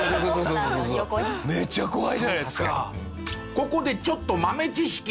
ここでちょっと豆知識。